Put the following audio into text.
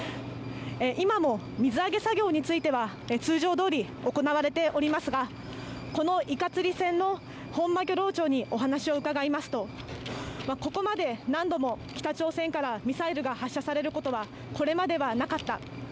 今も水揚げ作業については、通常どおり行われておりますが、このイカ釣り船のほんま漁業長にお話を伺いますと、ここまで何度も北朝鮮からミサイルが発射されることは、これまではなかった。